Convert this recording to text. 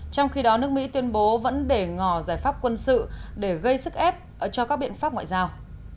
trong khi đó nước mỹ tuyên bố vẫn để ngỏ giải pháp quân sự để gây sức ép cho các biện pháp ngoại giao